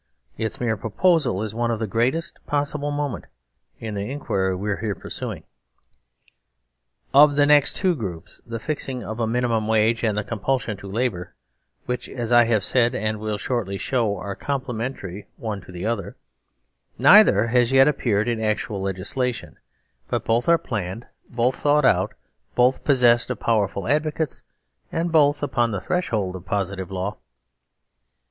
Its mere proposal is of the greatest possible moment in the inquiry we are here pursuing. Of the next two groups, the fixing of a Minimum Wage and the Compulsion to Labour (which, as I have said, and will shortly show, are complementary one to the other), neither has yet appeared in actual legis lation, but both are planned, both thought out, both possessed of powerful advocates, and both upon the threshold of positive law.